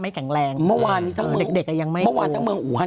แข็งแรงเมื่อวานนี้ทั้งเด็กเด็กอ่ะยังไม่เมื่อวานทั้งเมืองอูฮัน